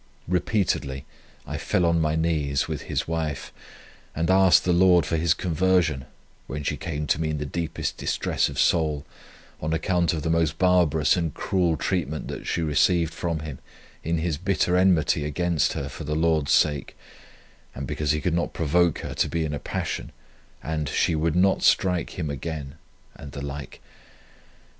Repeatedly I fell on my knees with his wife, and asked the Lord for his conversion, when she came to me in the deepest distress of soul, on account of the most barbarous and cruel treatment that she received from him, in his bitter enmity against her for the Lord's sake, and because he could not provoke her to be in a passion, and she would not strike him again, and the like.